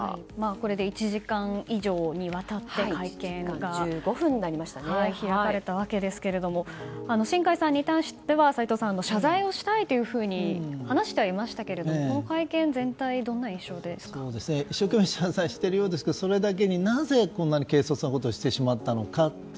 これで１時間以上にわたって会見が開かれたわけですけれども新開さんに対しては齋藤さん、謝罪をしたいと話してはいましたけれどもこの会見全体は一生懸命謝罪しているようですけどそれだけになぜ、こんなに軽率なことをしてしまったのか。